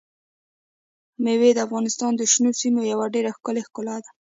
مېوې د افغانستان د شنو سیمو یوه ډېره ښکلې ښکلا ده.